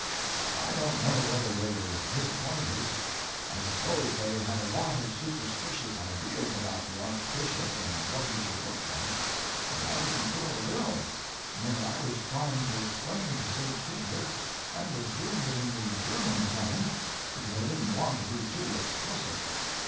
I don't know whether they were disappointed. I suppose they had a lot of superstitious ideas about the Archbishop and what he should look like, and I didn't fill the bill, and I was trying to explain to Saint Peter, and was doing it in the German tongue, because I didn't want to be too explicit.